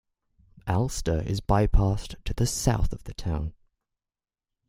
Alcester is bypassed to the south of the town.